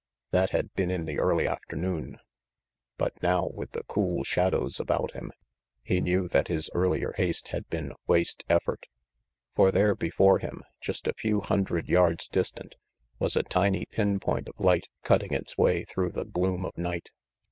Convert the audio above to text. That had been in the early afternoon, but now, with the cool shadows about him, he knew that his earlier haste had been waste effort. For there before him, just a few hundred yards distant, was a tiny pin point of light cutting its way through the gloom of night.